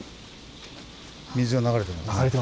水が流れてますね。